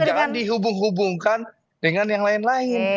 jangan dihubung hubungkan dengan yang lain lain